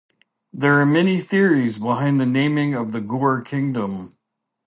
There are many theories behind the naming of the Gour kingdom.